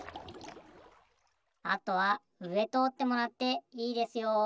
あとはうえとおってもらっていいですよ。